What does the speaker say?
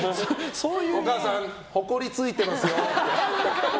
お母さんほこりついてますよ？って。